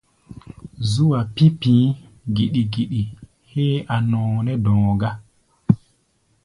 Zú-a pi̧ pi̧í̧ giɗi-giɗi héé a̧ nɔɔ nɛ́ dɔ̧ɔ̧ gá.